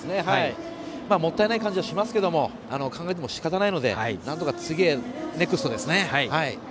もったいない感じしますが考えてもしかたないのでなんとか次へ、ネクストですね。